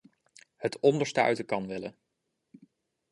Het onderste uit de kan willen.